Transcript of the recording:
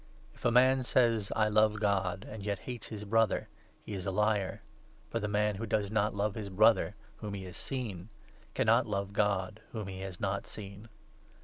If a man says ' I love God,' and 20 yet hates his Brother, he is a liar ; for the man who does not love his Brother, whom he has seen, cannot love God, whom he has not seen.